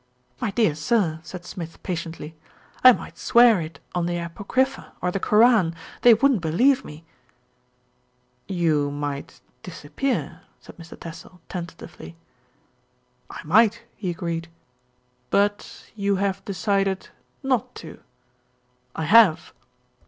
"My dear sir," said Smith patiently, "I might swear it on the Apocrypha or the Koran; they wouldn't be lieve me." "You might disappear," said Mr. Tassell tenta tively. "I might," he agreed. "But you have decided not to?" "I have."